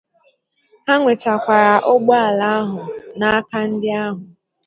Ha nwetakwara ụgbọala ahụ n'aka ndị ahụ